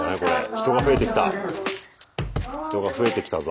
人が増えてきた人が増えてきたぞ。